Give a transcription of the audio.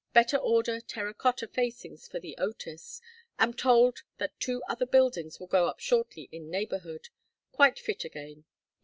Better order terra cotta facings for The Otis. Am told that two other buildings will go up shortly in neighborhood. Quite fit again.